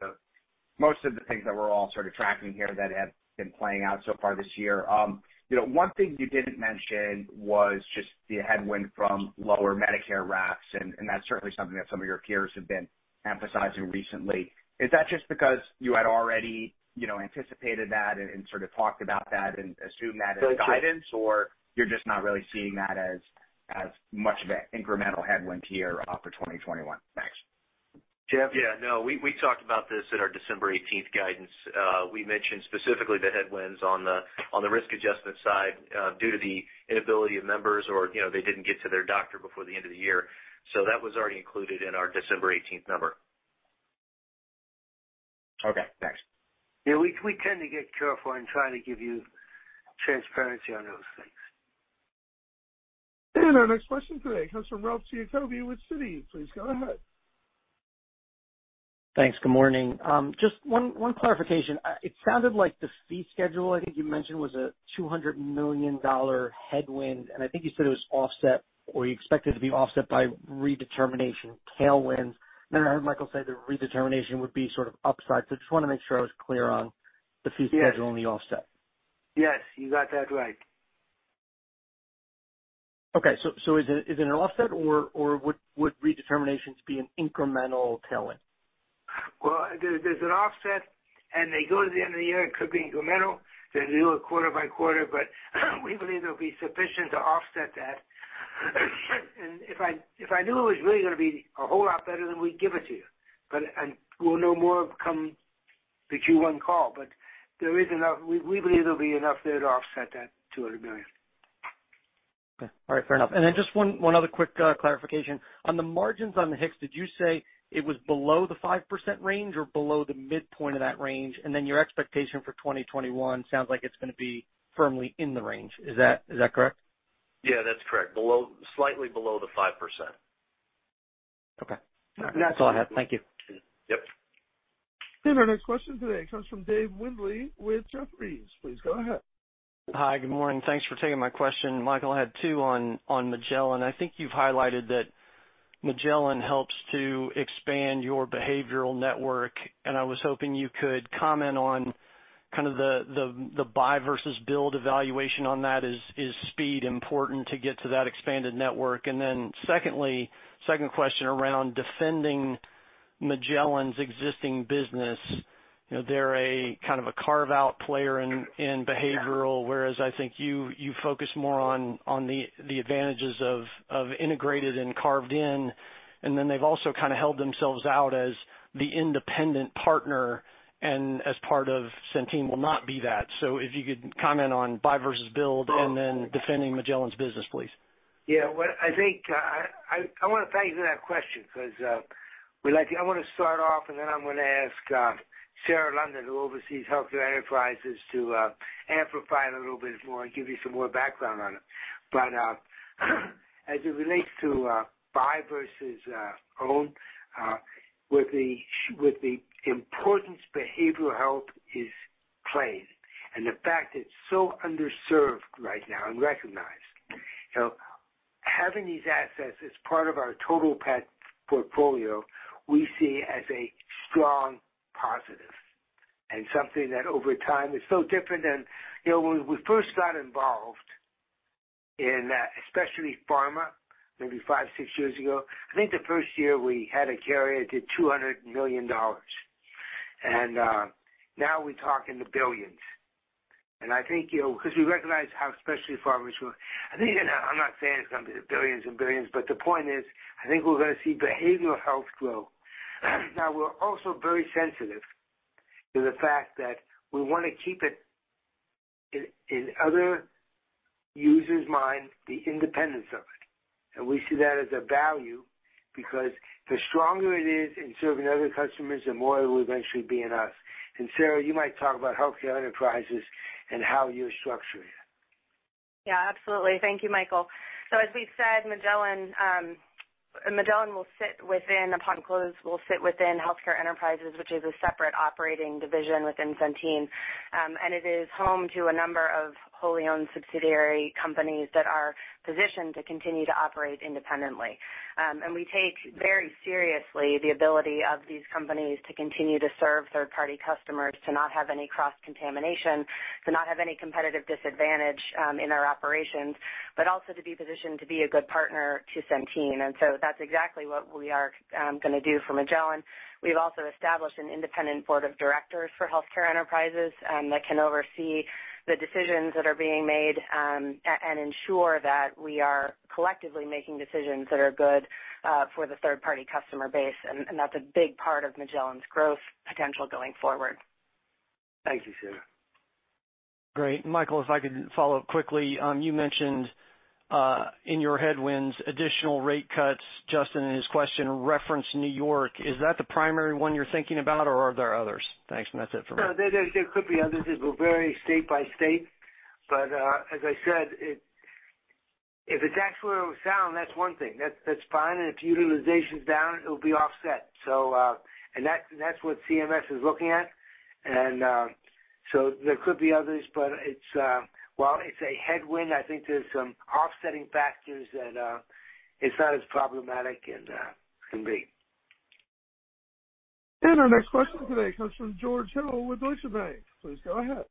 of the things that we're all sort of tracking here that have been playing out so far this year. One thing you didn't mention was just the headwind from lower Medicare RAPS. That's certainly something that some of your peers have been emphasizing recently. Is that just because you had already anticipated that and sort of talked about that and assumed that as guidance, or you're just not really seeing that as much of an incremental headwind here for 2021? Thanks. Jeff? Yeah, no. We talked about this in our December 18th guidance. We mentioned specifically the headwinds on the risk adjustment side due to the inability of members, or they didn't get to their doctor before the end of the year. That was already included in our December 18th number. Okay, thanks. Yeah, we tend to get careful in trying to give you transparency on those things. Our next question today comes from Ralph Giacobbe with Citi. Please go ahead. Thanks. Good morning. Just one clarification. It sounded like the fee schedule, I think you mentioned, was a $200 million headwind, and I think you said it was offset or you expect it to be offset by redetermination tailwinds. I heard Michael say the redetermination would be sort of upside. Just want to make sure I was clear on the fee schedule. Yes. The offset. Yes, you got that right. Is it an offset, or would redeterminations be an incremental tailwind? Well, there's an offset, and they go to the end of the year. It could be incremental. They do it quarter by quarter, but we believe they'll be sufficient to offset that. If I knew it was really going to be a whole lot better, then we'd give it to you. We'll know more come the Q1 call. We believe there'll be enough there to offset that $200 million. Okay. All right, fair enough. Just one other quick clarification. On the margins on the HIX, did you say it was below the five percent range or below the midpoint of that range? Your expectation for 2021 sounds like it's going to be firmly in the range. Is that correct? Yeah, that's correct. Slightly below the 5%. Okay. Yeah. That's all I had. Thank you. Yep. Our next question today comes from Dave Windley with Jefferies. Please go ahead. Hi, good morning. Thanks for taking my question. Michael, I had two on Magellan. I think you've highlighted that Magellan helps to expand your behavioral network, and I was hoping you could comment on kind of the buy versus build evaluation on that. Is speed important to get to that expanded network? Secondly, second question around defending Magellan's existing business. They're a kind of a carve-out player in behavioral, whereas I think you focus more on the advantages of integrated and carved in, and then they've also kind of held themselves out as the independent partner, and as part of Centene will not be that. If you could comment on buy versus build and then defending Magellan's business, please. Yeah. I want to thank you for that question because I want to start off, and then I'm going to ask Sarah London, who oversees Health Care Enterprises, to amplify it a little bit more and give you some more background on it. As it relates to buy versus own, with the importance behavioral health is playing and the fact it's so underserved right now and recognized, having these assets as part of our total product portfolio, we see as a strong positive and something that over time is so different than when we first got involved in that, specialty pharma, maybe five, six years ago. I think the first year we had a carrier do $200 million. Now we're talking the billions. I think, because we recognize how, specialty pharma, I'm not saying it's going to be billions and billions, but the point is, I think we're going to see behavioral health grow. Now, we're also very sensitive to the fact that we want to keep it in other users' mind, the independence of it, and we see that as a value because the stronger it is in serving other customers, the more it will eventually be in us. Sarah, you might talk about Healthcare Enterprises and how you're structured. Yeah, absolutely. Thank you, Michael. As we've said, Magellan, upon close, will sit within Health Care Enterprises, which is a separate operating division within Centene. It is home to a number of wholly owned subsidiary companies that are positioned to continue to operate independently. We take very seriously the ability of these companies to continue to serve third-party customers, to not have any cross-contamination, to not have any competitive disadvantage in our operations, but also to be positioned to be a good partner to Centene. That's exactly what we are going to do for Magellan. We've also established an independent board of directors for Health Care Enterprises that can oversee the decisions that are being made, and ensure that we are collectively making decisions that are good for the third-party customer base, and that's a big part of Magellan's growth potential going forward. Thank you, Sarah. Great. Michael, if I could follow up quickly. You mentioned, in your headwinds, additional rate cuts. Justin, in his question, referenced New York. Is that the primary one you're thinking about, or are there others? Thanks, and that's it for me. No, there could be others. It will vary state by state. As I said, if the cash flow is sound, that's one thing. That's fine. If utilization's down, it'll be offset. That's what CMS is looking at. There could be others, but while it's a headwind, I think there's some offsetting factors that it's not as problematic and can be. Our next question today comes from George Hill with Deutsche Bank. Please go ahead.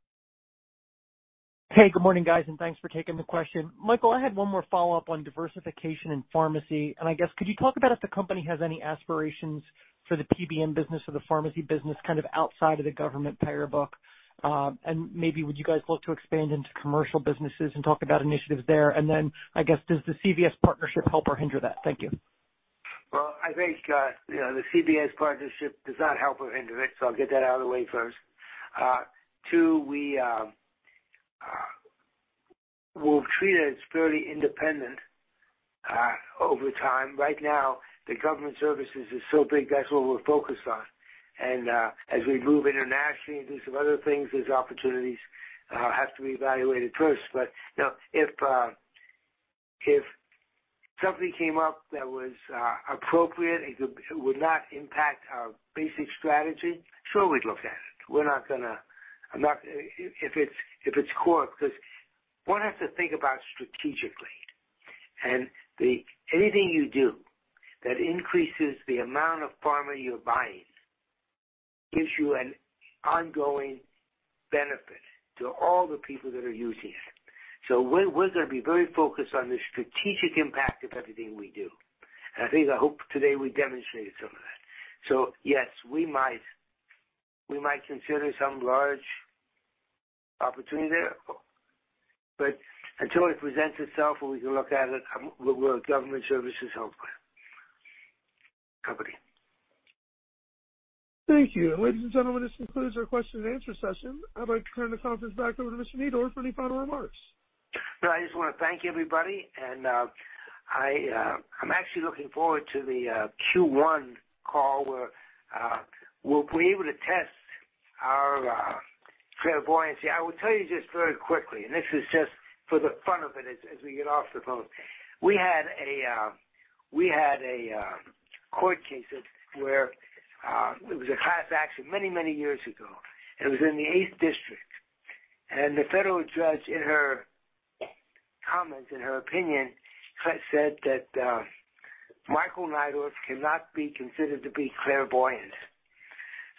Good morning, guys, and thanks for taking the question. Michael, I had one more follow-up on diversification and pharmacy, and I guess could you talk about if the company has any aspirations for the PBM business or the pharmacy business, kind of outside of the government payer book? Maybe would you guys look to expand into commercial businesses and talk about initiatives there? I guess, does the CVS partnership help or hinder that? Thank you. Well, I think, the CVS partnership does not help or hinder it. I'll get that out of the way first. Two, we'll treat it as fairly independent over time. Right now, the government services is so big, that's what we're focused on. As we move internationally and do some other things, there's opportunities, have to be evaluated first. If something came up that was appropriate, it would not impact our basic strategy, sure, we'd look at it. One has to think about strategically. Anything you do that increases the amount of pharma you're buying gives you an ongoing benefit to all the people that are using it. We're going to be very focused on the strategic impact of everything we do. I think, I hope today we demonstrated some of that. Yes, we might consider some large opportunity there, but until it presents itself where we can look at it, we're a government services health company. Thank you. Ladies and gentlemen, this concludes our question and answer session. I'd like to turn the conference back over to Mr. Neidorff for any final remarks. I just want to thank everybody, and I'm actually looking forward to the Q1 call where we'll be able to test our clairvoyance. I will tell you just very quickly, and this is just for the fun of it as we get off the phone. We had a court case where it was a class action many years ago. It was in the Eighth District, and the federal judge in her comments, in her opinion, said that Michael Neidorff cannot be considered to be clairvoyant.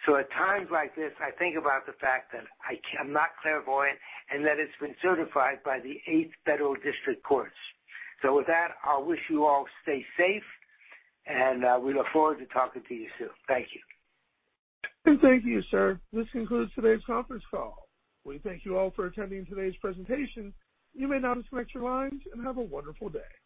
At times like this, I think about the fact that I'm not clairvoyant and that it's been certified by the Eighth Federal District Courts. With that, I'll wish you all stay safe, and we look forward to talking to you soon. Thank you. Thank you, sir. This concludes today's conference call. We thank you all for attending today's presentation. You may now disconnect your lines, and have a wonderful day.